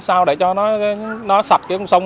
sao để cho nó sạch cái công sông